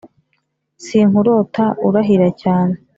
sinkurota urahira cyane